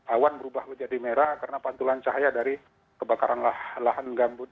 awan berubah menjadi merah karena pantulan cahaya dari kebakaran lahan gambut